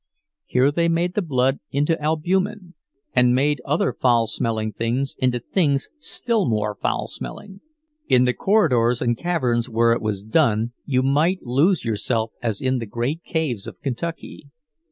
Here they made the blood into albumen, and made other foul smelling things into things still more foul smelling. In the corridors and caverns where it was done you might lose yourself as in the great caves of Kentucky.